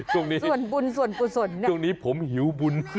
ตรงนี้ส่วนบุญส่วนกุศลเนี่ยตรงนี้ผมหิวบุญ